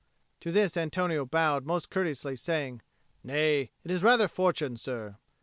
To this Antonio bowed most courteously, saying, "Nay, it is rather fortune, sir."